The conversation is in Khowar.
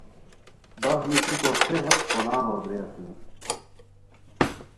بخ نیسیکو تھے ہیت قونان ہو درے اسونی